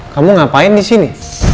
kamu ngapain di sini